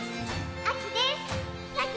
あきです！